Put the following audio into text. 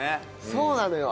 そうなのよ。